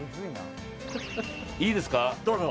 いいですか？